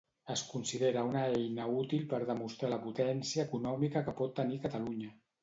Es considera una eina útil per demostrar la potència econòmica que pot tenir Catalunya.